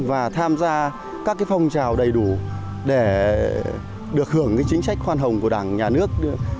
và tham gia các phong trào đầy đủ để được hưởng chính trách khoan hồng của đảng nhà nước